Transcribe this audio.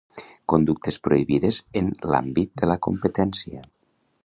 Conductes prohibides en l'àmbit de la competència.